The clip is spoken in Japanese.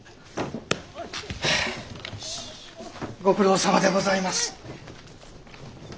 ご苦労さまでございます。